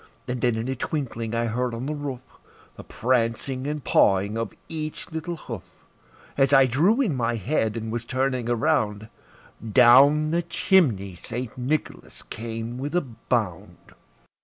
And then in a twinkling I heard on the roof, The prancing and pawing of each little hoof. As I drew in my head, and was turning around, Down the chimney St. Nicholas came with a bound.